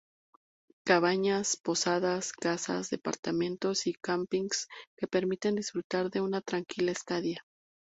Cabañas, posadas, casas, departamentos y campings que permiten disfrutar de una tranquila estadía.